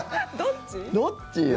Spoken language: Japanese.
どっちよ。